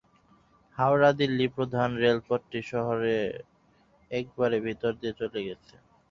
হাওড়া-দিল্লী প্রধান রেলপথটি, শহরের একেবারে ভিতর দিয়ে চলে গেছে।